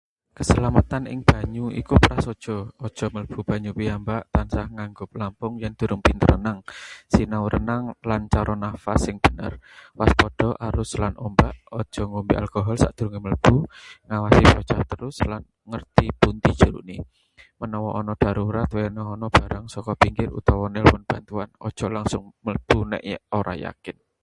Kaselametan ing banyu iku prasaja: aja mlebu banyu piyambak, tansah nganggo pelampung yèn durung pinter renang, sinau renang lan cara napas sing bener, waspada arus lan ombak, aja ngombe alkohol sadurunge mlebu, ngawasi bocah terus, lan ngerti pundi jerone. Menawa ana darurat, wenehana barang saka pinggir utawa nelpon bantuan, aja langsung mlebu nek ora yakin.